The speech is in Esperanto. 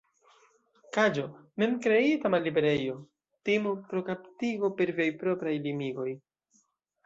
Kaĝo: Mem-kreita malliberejo; timo pro kaptiĝo per viaj propraj limigoj.